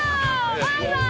バイバーイ！